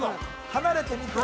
離れてみて。